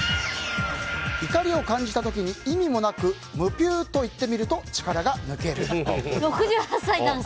怒りを感じた時に意味もなくむぴゅーと言ってみると力が抜ける。